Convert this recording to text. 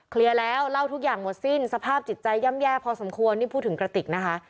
แล้วเล่าทุกอย่างหมดสิ้นสภาพจิตใจย่ำแย่พอสมควรนี่พูดถึงกระติกนะคะ